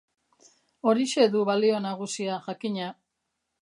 Horixe du balio nagusia, jakina.